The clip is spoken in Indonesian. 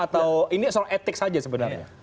atau ini soal etik saja sebenarnya